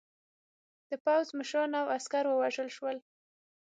د پوځ مشران او عسکر ووژل شول.